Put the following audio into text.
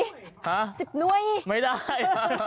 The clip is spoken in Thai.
ฮะหรอสิบน้วยไม่ได้